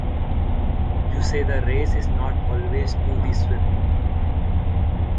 You say the race is not always to the swift.